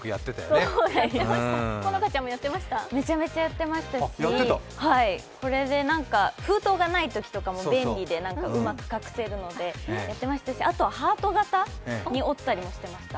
めちゃめちゃやってましたし、封筒がないときとかも便利でうまく隠せるのでやっていましたし、あとハート形に折ったりしていました。